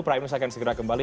prime news akan segera kembali